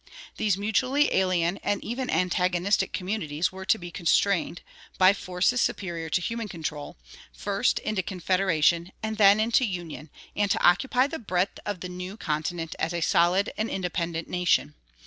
These mutually alien and even antagonistic communities were to be constrained, by forces superior to human control, first into confederation and then into union, and to occupy the breadth of the new continent as a solid and independent nation.